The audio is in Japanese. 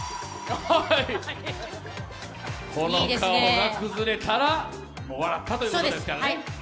この顔が崩れたら笑ったということですからね。